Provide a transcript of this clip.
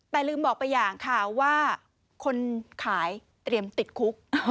แต่ลืมบอกไปอย่างค่ะว่าคนขายเตรียมติดคุก